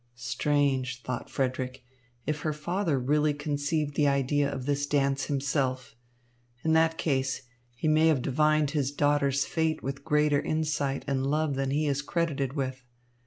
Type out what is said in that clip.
"Strange," thought Frederick, "if her father really conceived the idea of this dance himself. In that case he may have divined his daughter's fate with greater insight and love than he is credited with.